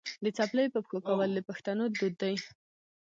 د څپلیو په پښو کول د پښتنو دود دی.